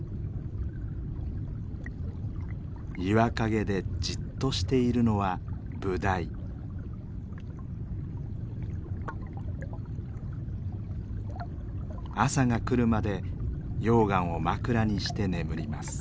岩陰でじっとしているのは朝が来るまで溶岩を枕にして眠ります。